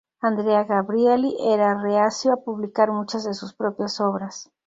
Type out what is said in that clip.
Andrea Gabrielli era reacio a publicar muchas de sus propias obras.